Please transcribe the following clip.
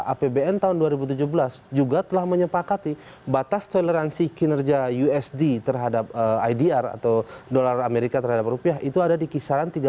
apbn tahun dua ribu tujuh belas juga telah menyepakati batas toleransi kinerja usd terhadap idr atau dolar amerika terhadap rupiah itu ada di kisaran tiga belas tujuh ratus hingga empat belas dua ratus